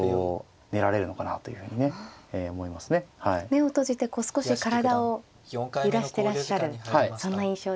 目を閉じて少し体を揺らしてらっしゃるそんな印象ですね。